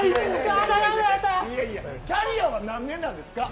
キャリアは何年なんですか。